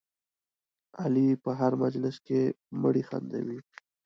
علي په هر مجلس کې مړي خندوي.